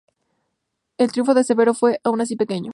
El triunfo de Severo fue, aun así, pequeño.